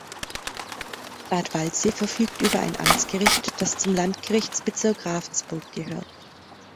Bad Waldsee verfügt über ein Amtsgericht, das zum Landgerichtsbezirk Ravensburg gehört.